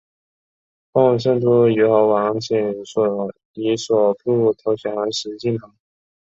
奉圣都虞候王景以所部投降石敬瑭。